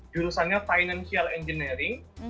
jurusannya financial engineering